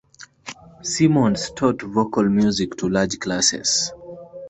Simonds taught vocal music to large classes.